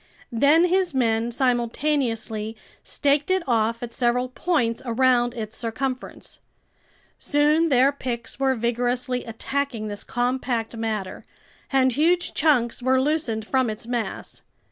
Then his men simultaneously staked it off at several points around its circumference. Soon their picks were vigorously attacking this compact matter, and huge chunks were loosened from its mass.